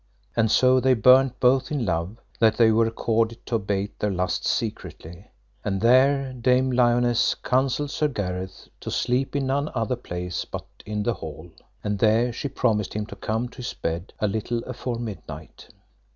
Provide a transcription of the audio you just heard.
And so they burnt both in love, that they were accorded to abate their lusts secretly. And there Dame Lionesse counselled Sir Gareth to sleep in none other place but in the hall. And there she promised him to come to his bed a little afore midnight.